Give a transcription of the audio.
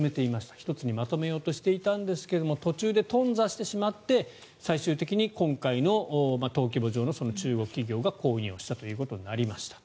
１つにまとめようとしていたんですが途中で頓挫してしまって最終的に今回の登記簿上の中国系企業が購入をしたということになりましたと。